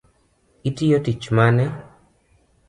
Itiyo tich mane?